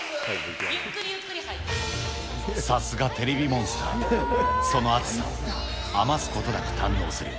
さすがテレビモンスター、その熱さは、余すことなく堪能する。